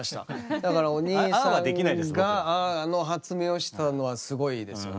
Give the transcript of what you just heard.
だからお兄さんがあの発明をしたのはすごいですよね。